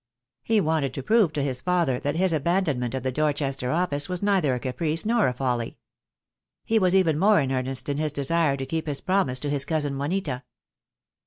He wanted to prove to his father that his abandonment of the Dorchester office was neither a caprice nor a folly. He was even more The Day will come. /. 12 I78 THE DAY WILL COIUE. in earnest in his desire to keep his promise to his cousin Juanita.